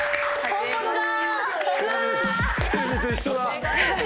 本物だ！